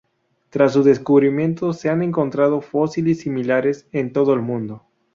Tras su descubrimiento se han encontrado fósiles similares en todo el mundo.